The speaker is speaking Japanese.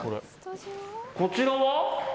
こちらは？